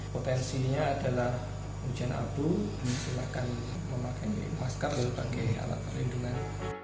potensinya adalah hujan abu silakan memakai masker lalu pakai alat perlindungan